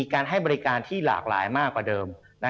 การให้บริการที่หลากหลายมากกว่าเดิม